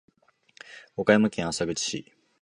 岡山県浅口市